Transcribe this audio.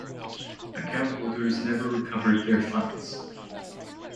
Account holders never recovered their funds.